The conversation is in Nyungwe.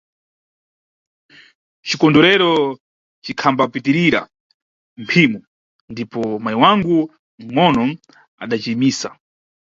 Cikondwerero cikhambapitirira mphimo ndipo mayi wangu mʼgono adaciyimisa.